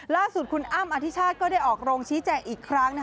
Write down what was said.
ล่าสุดคุณอ้ำอธิชาติก็ได้ออกโรงชี้แจงอีกครั้ง